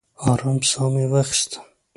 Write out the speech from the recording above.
ارام ساه مې واخیسته.